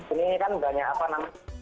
ini kan banyak apa namanya